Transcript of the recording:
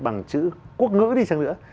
bằng chữ quốc ngữ đi chăng nữa